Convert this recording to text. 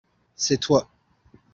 c'est toi.